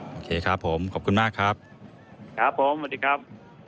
โอเคครับผมขอบคุณมากครับครับผมสวัสดีครับ